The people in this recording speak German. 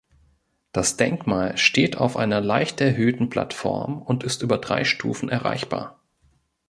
Das Denkmal steht auf einer leicht erhöhten Plattform und ist über drei Stufen erreichbar.